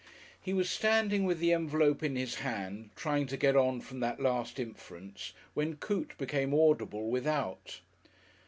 He was standing with the envelope in his hand, trying to get on from that last inference, when Coote became audible without.